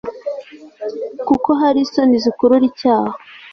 kuko hari isoni zikurura icyaha